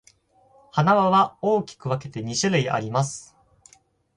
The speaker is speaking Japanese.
埴輪は大きく分けて二種類あります。